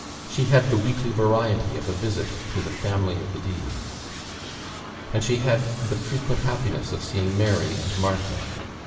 She had the weekly variety of a visit to the family of the D.s; and she had the frequent happiness of seeing "Mary" and Martha.